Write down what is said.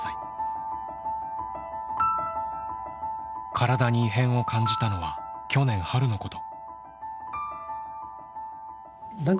体に異変を感じたのは去年春のこと。